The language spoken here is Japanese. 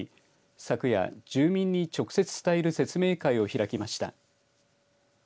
昨夜、住民に直接伝える説明会を開きました。